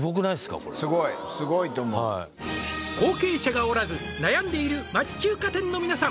これすごいすごいと思う「後継者がおらず悩んでいる町中華店の皆さん」